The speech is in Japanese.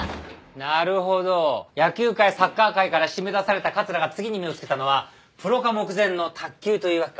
なるほど野球界サッカー界から締め出された桂が次に目を付けたのはプロ化目前の卓球というわけか。